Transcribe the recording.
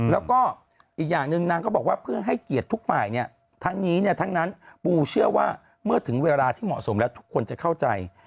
แล้วก็อีกอย่างหนึ่งนางก็บอกว่าเพื่อให้เกียรติทุกฝ่ายเนี่ยทั้งนี้เนี่ยทั้งนั้นปูเชื่อว่าเมื่อถึงเวลาที่เหมาะสมแล้วทุกคนจะเข้าใจ